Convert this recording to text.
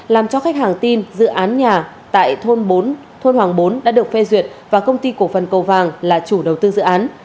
làm cho khách hàng tin dự án nhà tại thôn bốn thôn hoàng bốn đã được phê duyệt và công ty cổ phần cầu vàng là chủ đầu tư dự án